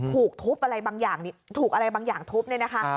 ถูกทุบอะไรบางอย่างถูกอะไรบางอย่างทุบเนี่ยนะคะ